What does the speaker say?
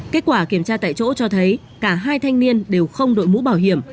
kết quả kiểm tra tại chỗ cho thấy cả hai thanh niên đều không đội mũ bảo hiểm